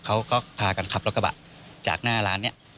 เขาก็พากันขับรถกระบะจากหน้าร้านนี้